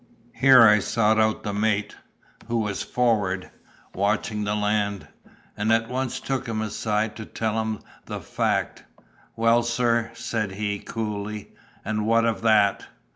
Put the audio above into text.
"Here I sought out the mate, who was forward, watching the land—and at once took him aside to tell him the fact. 'Well, sir,' said he, coolly, 'and what of that?